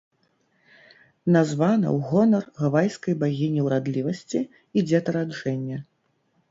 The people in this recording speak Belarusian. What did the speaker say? Названа ў гонар гавайскай багіні ўрадлівасці і дзетараджэння.